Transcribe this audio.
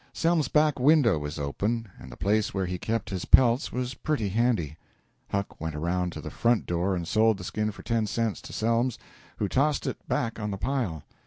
Selms's back window was open, and the place where he kept his pelts was pretty handy. Huck went around to the front door and sold the skin for ten cents to Selms, who tossed it back on the pile.